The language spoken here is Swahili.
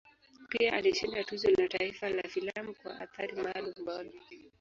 Pia alishinda Tuzo la Taifa la Filamu kwa Athari Maalum Bora.